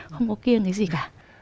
không có kiên cái gì cả